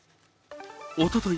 おととい